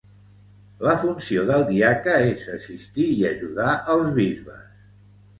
La funció del diaca és assistir i ajudar els bisbes.